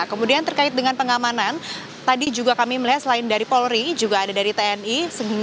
kemudian terkait dengan pengamanan tadi juga kami melihat selain dari polri juga ada dari tni